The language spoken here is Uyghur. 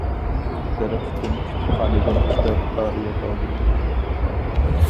بىر قېتىم كۇتۇپخانىدىن كىتاب ئارىيەت ئالدىم.